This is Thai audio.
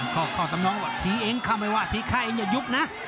ก็ขอตำน้องว่าทีเองค่ะไม่ว่าทีข้าเองอย่ายุบนะ